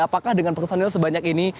apakah dengan personil sebanyak ini